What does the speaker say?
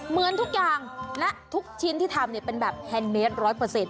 เหมือนทุกอย่างทุกชิ้นที่ทำเป็นแบบแฮนเมตร๑๐๐